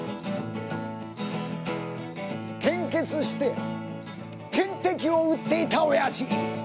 献血して点滴をうっていたおやじ。